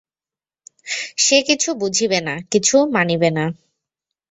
সে কিছু বুঝিবে না, কিছু মানিবে না।